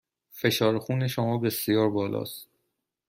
فشار خون شما بسیار بالا است.